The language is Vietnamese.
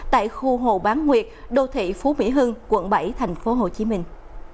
tại khu hồ bán nguyệt đô thị phú mỹ hưng quận bảy thành phố hồ chí minh